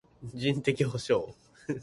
人的補償